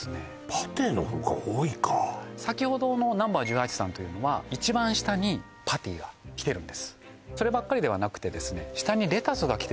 パティの方が多いか先ほどのＮｏ．１８さんというのは一番下にパティがきてるんですそればっかりではなくてですね